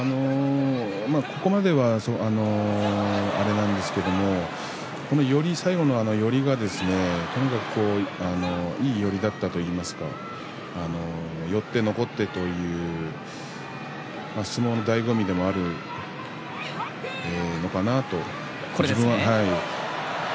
ここまではあれなんですけど最後の寄りがいい寄りだったといいますか寄って残ってという相撲のだいご味でもあるのかなと。